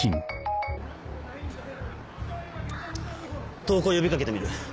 投降呼び掛けてみる。